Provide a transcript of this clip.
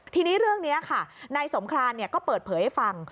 ทีนี้เรื่องนี้ค่ะนายสงครานก็เปิดเผยให้ฟัง